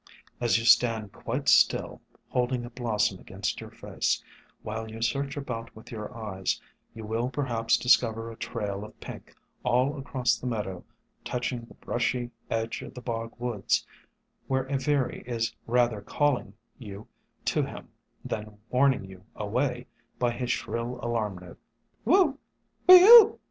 As you stand quite still, holding a blossom against your face, while you search about with your eyes, you will perhaps discover a trail of pink all across the meadow touching the brushy edge of the bog woods, where a veery is rather calling you to him than warning you away by his shrill alarm note, whew — whe ew!